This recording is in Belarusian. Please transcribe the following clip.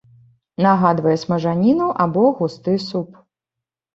Нагадвае смажаніну або густы суп.